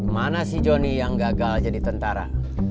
mana si jonny yang gagal jadi tentara